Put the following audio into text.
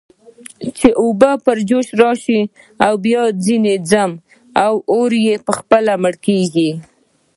چې اوبه پر جوش راشي، بیا ځنې ځم، اور یې خپله مړ کېږي.